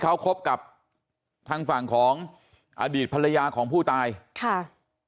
เขาคบกับทางฝั่งของอดีตภรรยาของผู้ตายค่ะ